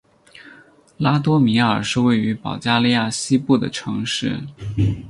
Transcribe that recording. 拉多米尔是位于保加利亚西部的城市。